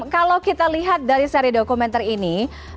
kalau kita lihat dari seri dokumenter ini